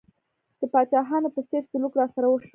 د پاچاهانو په څېر سلوک راسره وشو.